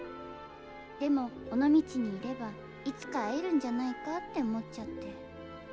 でも尾道にいればいつか会えるんじゃないかって思っちゃって。